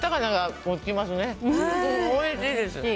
おいしいです。